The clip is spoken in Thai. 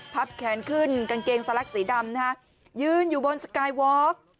แขนขึ้นกางเกงสลักสีดำนะฮะยืนอยู่บนสกายวอล์ก